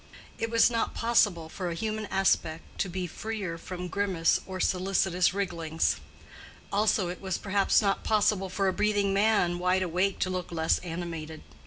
It was not possible for a human aspect to be freer from grimace or solicitous wrigglings: also it was perhaps not possible for a breathing man wide awake to look less animated.